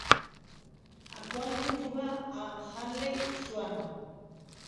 Actualment juga a Hanley Swan.